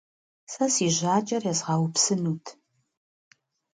Сэ си жьакӏэр езгъэупсынут.